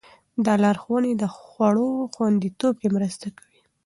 دا لارښوونې د خوړو خوندیتوب کې مرسته کوي.